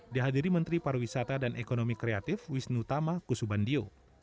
dihadiri menteri pariwisata dan ekonomi kreatif wisnu tama kusubandio